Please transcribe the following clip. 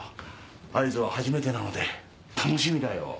会津は初めてなので楽しみだよ。